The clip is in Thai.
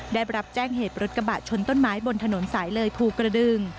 ได้รับแจ้งเหตุรถกระบะชนต้นไม้บนถนนสายเลยภูกระดึง